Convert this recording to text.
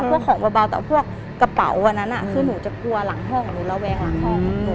พวกของเบาแต่พวกกระเป๋าอันนั้นคือหนูจะกลัวหลังห้องหนูระแวงหลังห้อง